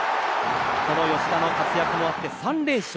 この吉田の活躍もあって３連勝。